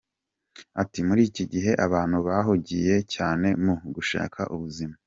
Ati “Muri iki gihe abantu bahugiye cyane mu gushaka ubuzima.